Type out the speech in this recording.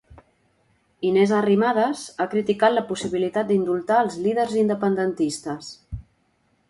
Inés Arrimadas ha criticat la possibilitat d'indultar els líders independentistes.